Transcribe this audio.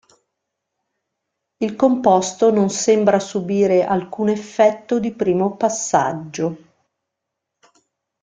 Il composto non sembra subire alcun effetto di primo passaggio.